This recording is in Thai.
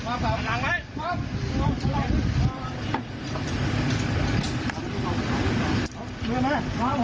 อันดับสุดท้ายก็คืออันดับสุดท้าย